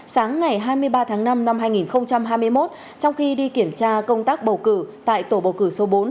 sáng ngày hai mươi ba tháng năm năm hai nghìn hai mươi một trong khi đi kiểm tra công tác bầu cử tại tổ bầu cử số bốn